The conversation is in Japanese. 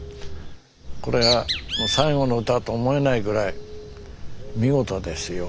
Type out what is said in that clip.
これが最期の歌と思えないぐらい見事ですよ